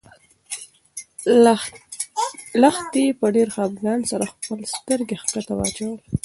لښتې په ډېر خپګان سره خپلې سترګې ښکته واچولې.